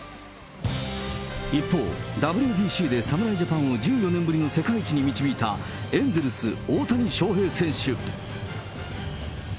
一方、ＷＢＣで侍ジャパンを１４年ぶりの世界一に導いた、エンゼルス、大谷翔平選手。